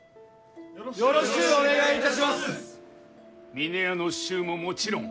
峰屋の衆ももちろん。